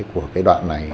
của cái đoạn này